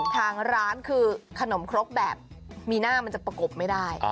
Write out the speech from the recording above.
ทางร้านคือขนมครกแบบมีหน้ามันจะประกบไม่ได้